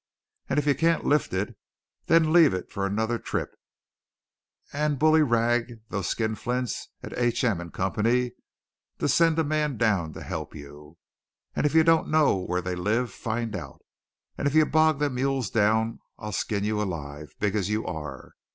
And if you can't lift it, then leave it for another trip, and bullyrag those skinflints at H. M. & Co.'s to send a man down to help you. And if you don't know where they live, find out; and if you bog them mules down I'll skin you alive, big as you are.